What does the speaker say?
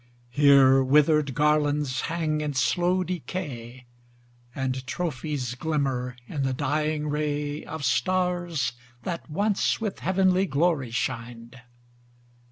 Here, withered garlands hang in slow decay, And trophies glimmer in the dying ray Of stars that once with heavenly glory shined.